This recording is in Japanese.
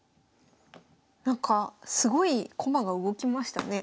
なんかすごい駒が動きましたね。